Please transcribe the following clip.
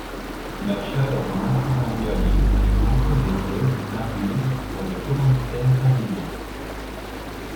Macha est artisan joaillier et compose pièces et parures pour des commanditaires parisiens.